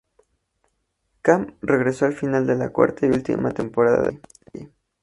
Cam regresó al final de la cuarta y última temporada de la serie.